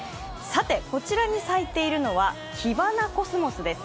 こちらに咲いているのはキバナコスモスです。